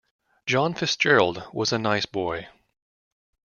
John Fitzgerald was a nice boy.